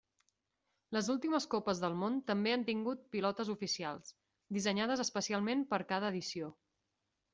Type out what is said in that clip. Les últimes Copes del Món també han tingut pilotes oficials, dissenyades especialment per cada edició.